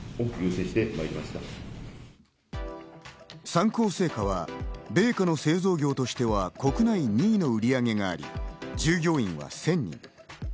三幸製菓は米菓の製造業としては国内２位の売り上げがあり、従業員は１０００人。